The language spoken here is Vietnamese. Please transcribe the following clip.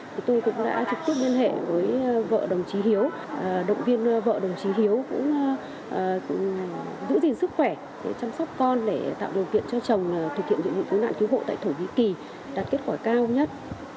thì tôi cũng đã trực tiếp liên hệ với vợ đồng chí hiếu động viên vợ đồng chí hiếu cũng giữ gìn sức khỏe chăm sóc con để tạo điều kiện cho chồng thực hiện nhiệm vụ cứu nạn cứu hộ tại thổ nhĩ kỳ đạt kết quả cao nhất